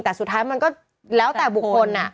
แต่สุดท้ายมันก็แล้วแต่บุคคล